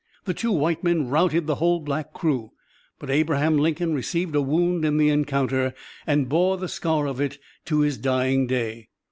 The two white men routed the whole black crew, but Abraham Lincoln received a wound in the encounter, and bore the scar of it to his dying day.